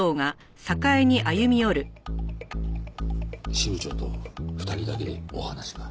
支部長と２人だけでお話が。